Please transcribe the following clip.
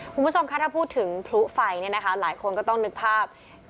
คุณผู้ชมคะถ้าพูดถึงพลุไฟเนี่ยนะคะหลายคนก็ต้องนึกภาพ